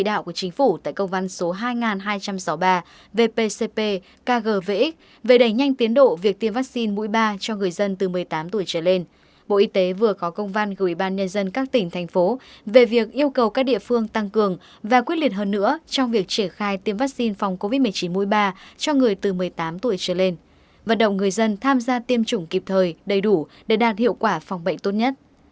để đẩy nhanh tiến độ việc tiêm vaccine mũi ba cho người dân từ một mươi tám tuổi trở lên bộ y tế vừa có công văn gửi ban nhân dân các tỉnh thành phố về việc yêu cầu các địa phương tăng cường và quyết liệt hơn nữa trong việc triển khai tiêm vaccine phòng covid một mươi chín mũi ba cho người từ một mươi tám tuổi trở lên và động người dân tham gia tiêm chủng kịp thời đầy đủ để đạt hiệu quả phòng bệnh tốt nhất